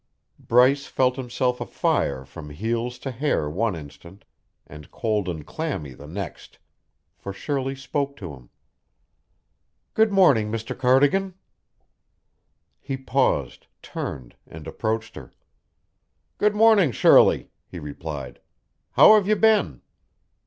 Bryce felt himself afire from heels to hair one instant, and cold and clammy the next, for Shirley spoke to him. "Good morning, Mr. Cardigan." He paused, turned, and approached her. "Good morning, Shirley," he replied. "How have you been?"